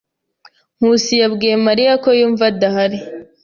Nkusi yabwiye Mariya ko yumva adahari.